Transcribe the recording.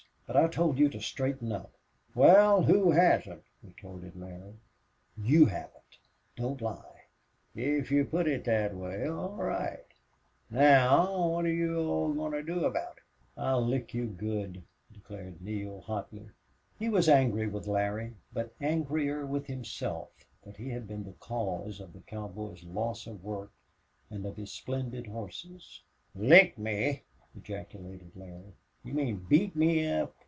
"But I told you to straighten up!" "Wal, who hasn't?" retorted Larry. "You haven't! Don't lie." "If you put it thet way, all right. Now what're you all goin' to do aboot it?" "I'll lick you good," declared Neale, hotly. He was angry with Larry, but angrier with himself that he had been the cause of the cowboy's loss of work and of his splendid horses. "Lick me!" ejaculated Larry. "You mean beat me up?"